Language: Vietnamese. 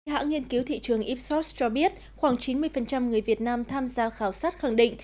hãng nghiên cứu thị trường ipsos cho biết khoảng chín mươi người việt nam tham gia khảo sát khẳng định